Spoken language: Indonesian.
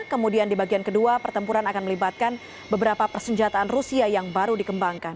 kemudian di bagian kedua pertempuran akan melibatkan beberapa persenjataan rusia yang baru dikembangkan